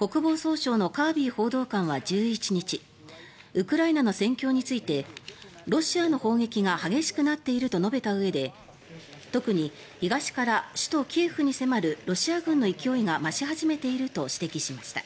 国防総省のカービー報道官は１１日ウクライナの戦況についてロシアの砲撃が激しくなっていると述べたうえで特に東から首都キエフに迫るロシア軍の勢いが増し始めていると指摘しました。